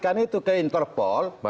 ini sudah terjadi